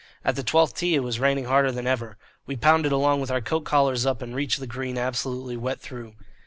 At the twelfth tee it was raining harder than ever. We pounded along with our coat collars up and reached the green absolutely wet through.